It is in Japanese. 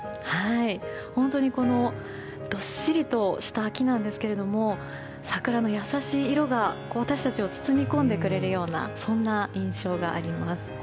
本当にどっしりとした木なんですけど桜の優しい色が私たちを包み込んでくれるようなそんな印象があります。